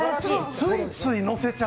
ついつい乗せちゃう。